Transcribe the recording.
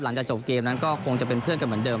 หลังจากจบเกมนั้นก็คงจะเป็นเพื่อนกันเหมือนเดิม